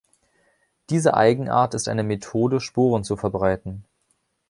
Diese Eigenart ist eine Methode, Sporen zu verbreiten.